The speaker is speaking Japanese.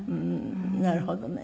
なるほどね。